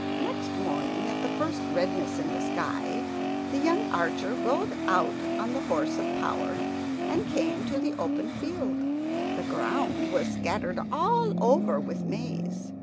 Next morning, at the first redness in the sky, the young archer rode out on the horse of power, and came to the open field. The ground was scattered all over with maize.